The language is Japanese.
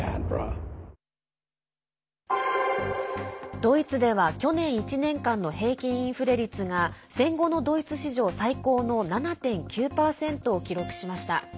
ドイツでは去年１年間の平均インフレ率が戦後のドイツ史上最高の７．９％を記録しました。